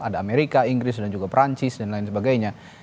ada amerika inggris dan juga perancis dan lain sebagainya